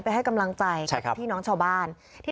ให้กำลังใจกับพี่น้องชาวบ้าน